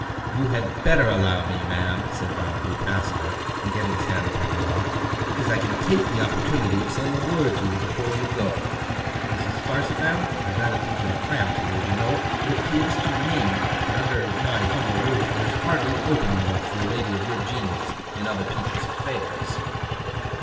'You had better allow me, ma'am,' said Bounderby, passing her, and getting his hand upon the lock; 'because I can take the opportunity of saying a word to you, before you go. Mrs. Sparsit, ma'am, I rather think you are cramped here, do you know? It appears to me, that, under my humble roof, there's hardly opening enough for a lady of your genius in other people's affairs.